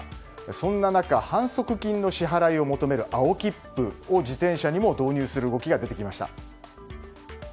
そんな中、反則金の支払いを求める青切符を自転車にも導入する動きが出てきました。